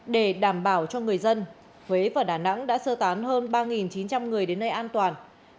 để đảm bảo cho người dân huế và đà nẵng đã sơ tán hơn ba chín trăm linh người đến nơi an toàn